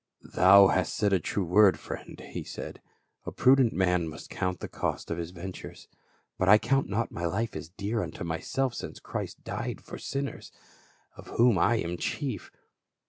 "Thou hast said a true word, friend," he said. "A prudent man must count the cost of his ventures ; but I count not my life as dear unto myself since Christ died for sinners, of whom I am chief.